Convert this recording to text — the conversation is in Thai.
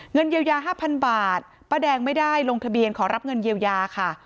เงินเยียวยา๕๐๐บาทป้าแดงไม่ได้ลงทะเบียนขอรับเงินเยียวยาค่ะ